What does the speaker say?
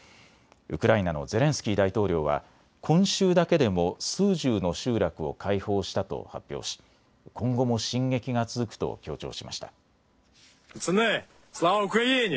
ウクライナのゼレンスキー大統領は今週だけでも数十の集落を解放したと発表し今後も進撃が続くと強調しました。